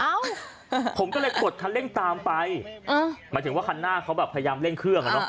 เอ้าผมก็เลยกดคันเร่งตามไปเออหมายถึงว่าคันหน้าเขาแบบพยายามเร่งเครื่องอ่ะเนอะ